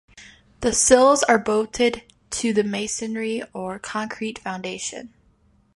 The sills are bolted to the masonry or concrete foundation.